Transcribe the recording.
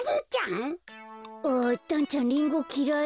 あだんちゃんリンゴきらい？